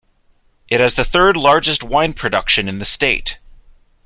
It has the third-largest wine production in the state.